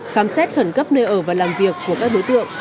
khám xét khẩn cấp nơi ở và làm việc của các đối tượng